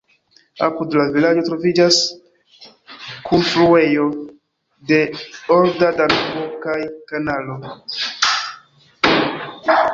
Apud la vilaĝo troviĝas kunfluejo de olda Danubo kaj kanalo.